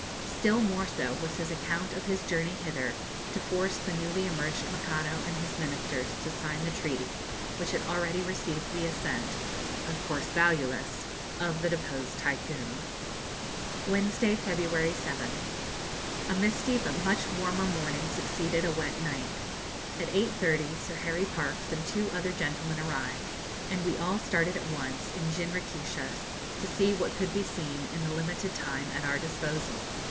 Still more so was his account of his journey hither to force the newly emerged Mikado and his Ministers to sign the treaty, which had already received the assent (of course valueless) of the deposed Tycoon. Wednesday, February 7th. A misty but much warmer morning succeeded a wet night. At 8.30 Sir Harry Parkes and two other gentlemen arrived, and we all started at once in jinrikishas to see what could be seen in the limited time at our disposal.